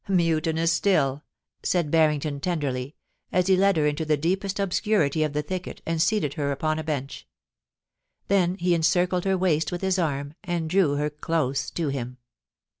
* Mutinous still,' said Barrington tenderly, as he led her mto the deepest obscurity of the thicket, and seated her upon a bench. Then he encircled her waist with his arm, and drew her close to him.